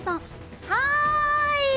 はい！